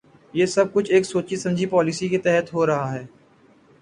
یہ سب کچھ ایک سوچی سمجھی پالیسی کے تحت ہو رہا ہے۔